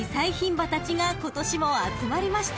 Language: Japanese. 牝馬たちが今年も集まりました］